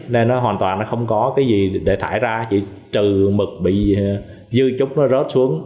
nên nó hoàn toàn nó không có cái gì để thải ra chỉ trừ mật bị dư chút nó rớt xuống